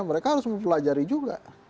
mereka harus mempelajari juga